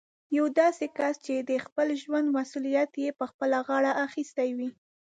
يو داسې کس چې د خپل ژوند مسوليت يې په خپله غاړه اخيستی وي.